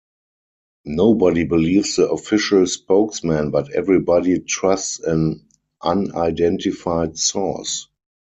Nobody believes the official spokesman but everybody trusts an unidentified source.